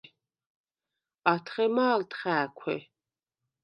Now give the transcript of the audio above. ათხე მა̄ლდ ხა̄̈ქუ̂: